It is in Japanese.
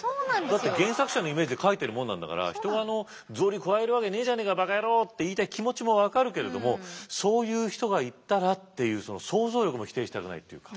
だって原作者のイメージで書いてるもんなんだから「人は草履くわえるわけねえじゃねえかばか野郎！」って言いたい気持ちも分かるけれどもそういう人がいたらっていう想像力も否定したくないっていうか。